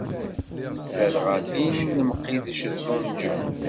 Ladɣa tin n Mqidec d lunja.